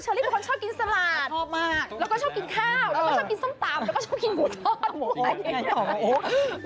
หมอโอ๊คเขาทำกับข้าวอร่อยดูแลผู้ของพ่อครัว